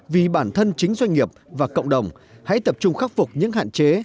vì bản thân chính doanh nghiệp và cộng đồng hãy tập trung khắc phục những hạn chế